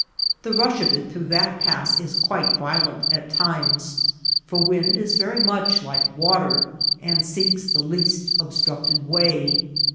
The rush of it through that pass is quite vio lent at times. For wind is very much like water and seeks the least obstructed way.